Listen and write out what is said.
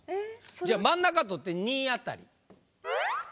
じゃあ真ん中取って２位あたり。